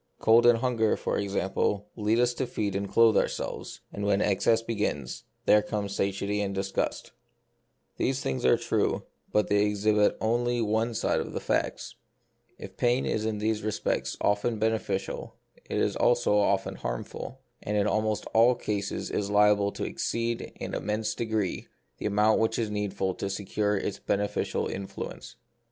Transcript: Cold and hunger, for example, lead us to feed and clothe our selves, and when excess begins, there come satiety and disgust. These things are true, but they exhibit only 26 Tlie Mystery of Pain. one side of the facts. If pain is in these re spects often beneficial, it is also often harmful ; and in almost all cases it is liable to exceed, in an immense degree, the amount which is needful to secure its beneficial influence.